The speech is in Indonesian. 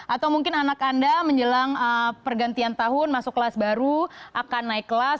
atau mungkin anak anda menjelang pergantian tahun masuk kelas baru akan naik kelas